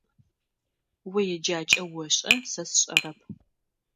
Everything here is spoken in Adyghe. О еджакӏэ ошӏэ, сэ сшӏэрэп.